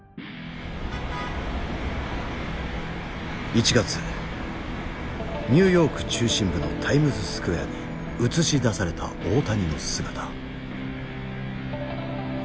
１月ニューヨーク中心部のタイムズスクエアに映し出された大谷の姿。